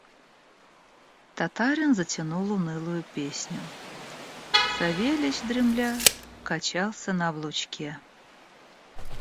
Татарин затянул унылую песню; Савельич, дремля, качался на облучке.